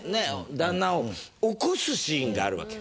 旦那を起こすシーンがあるわけ。